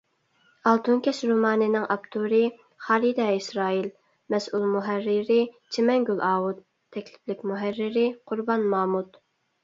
«ئالتۇن كەش» رومانىنىڭ ئاپتورى: خالىدە ئىسرائىل؛ مەسئۇل مۇھەررىرى: چىمەنگۈل ئاۋۇت؛ تەكلىپلىك مۇھەررىرى: قۇربان مامۇت